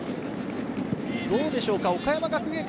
どうでしょう、岡山学芸館